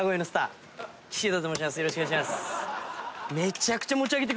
よろしくお願いします。